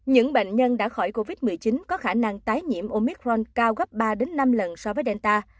những bệnh nhân đã khỏi covid một mươi chín có khả năng tái nhiễm omicron cao gấp ba năm lần so với delta